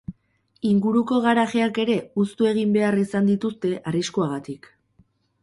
Inguruko garajeak ere uztu egin behar izan dituzte arriskuagatik.